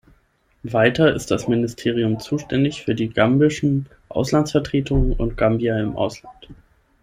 Weiter ist das Ministerium zuständig für die gambischen Auslandsvertretungen und Gambier im Ausland.